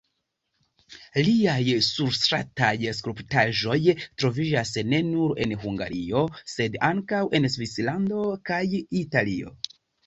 Liaj surstrataj skulptaĵoj troviĝas ne nur en Hungario, sed ankaŭ en Svislando kaj Italio.